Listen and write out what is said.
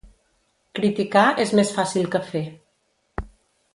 Criticar és més fàcil que fer.